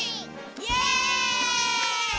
イエイ！